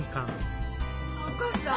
お義母さん？